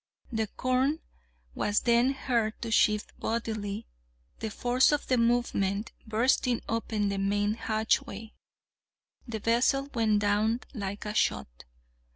The corn was then heard to shift bodily, the force of the movement bursting open the main hatchway. The vessel went down like a shot.